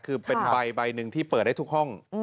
คือเป็นใบหนึ่งที่เปิดได้ทุกห้อง